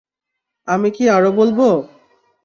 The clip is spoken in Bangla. আমি কি আরও বলবো?